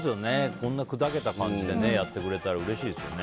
こんなふざけた感じでやってくれたらやってくれたらうれしいですよね。